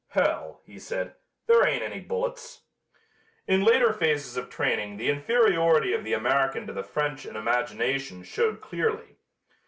"Hell," he said, "there ain't any bullets." In later phases of training the inferiority of the American to the French in imagination showed clearly.